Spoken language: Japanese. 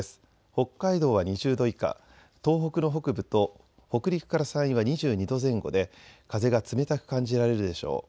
北海道は２０度以下、東北の北部と北陸から山陰は２２度前後で風が冷たく感じられるでしょう。